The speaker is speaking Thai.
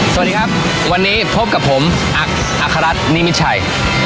สวัสดีครับวันนี้พบกับผมอักษรัตนิมิตชัย